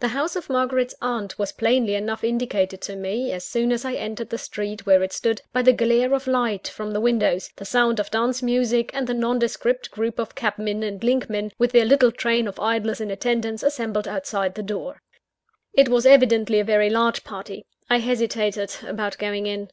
The house of Margaret's aunt was plainly enough indicated to me, as soon as I entered the street where it stood, by the glare of light from the windows, the sound of dance music, and the nondescript group of cabmen and linkmen, with their little train of idlers in attendance, assembled outside the door. It was evidently a very large party. I hesitated about going in.